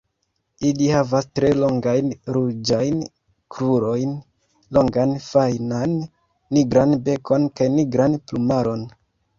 Ili havas tre longajn ruĝajn krurojn, longan fajnan nigran bekon kaj nigran plumaron.